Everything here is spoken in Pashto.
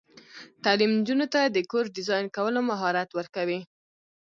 تعلیم نجونو ته د کور ډیزاین کولو مهارت ورکوي.